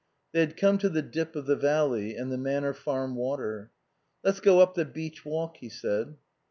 They had come to the dip of the valley and the Manor Farm water. "Let's go up the beech walk," he said.